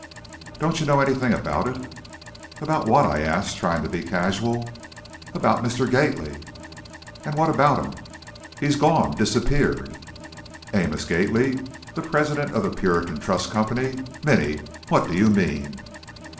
"Don't you know anything about it?" "About what?" I asked, trying to be casual. "Why, about Mr. Gately." "And what about him?" "He's gone! Disappeared!" "Amos Gately? The president of the Puritan Trust Company! Minny, what do you mean?"